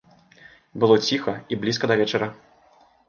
Было ціха і блізка да вечара.